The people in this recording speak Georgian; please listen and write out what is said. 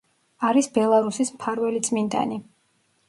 არის ბელარუსის მფარველი წმინდანი.